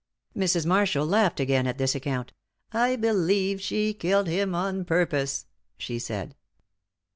Mrs. Marshall laughed again at this account. "I believe she killed him on purpose," she said.